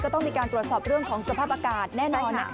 ต้องมีการตรวจสอบเรื่องของสภาพอากาศแน่นอนนะคะ